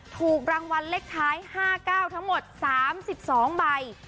ถูกรางวัลเลขท้าย๕๙ทั้งหมด๓๒ใบ